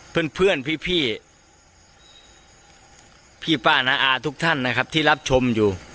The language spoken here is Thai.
เพื่อนพี่พี่ป้าน้าอาทุกท่านนะครับที่รับชมอยู่